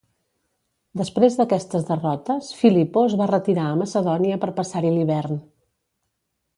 Després d'aquestes derrotes, Filipo es va retirar a Macedònia per passar-hi l'hivern.